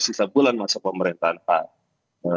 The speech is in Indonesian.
sisa bulan masa pemerintahan pak